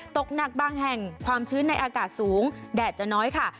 ตกหนักบางแห่งความชื้นในอากาศสูงแดดจะน้อยค่ะ